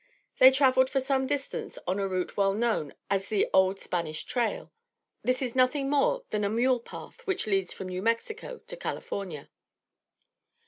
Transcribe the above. They traveled for some distance on a route well known as the "Old Spanish Trail." This is nothing more than a mule path which leads from New Mexico to California.